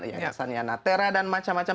yayasan yanatera dan macam macam